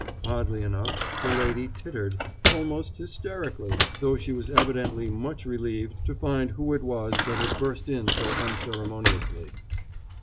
Oddly enough, the lady tittered, almost hysterically, though she was evidently much relieved to find who it was that had burst in so unceremoniously.